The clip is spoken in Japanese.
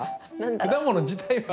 果物自体は。